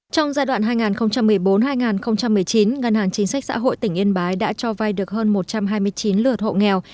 trong giai đoạn hai nghìn một mươi bốn hai nghìn một mươi chín ngân hàng chính sách xã hội tỉnh yên bái đã cho vay được hơn một trăm hai mươi chín lượt hộ nghèo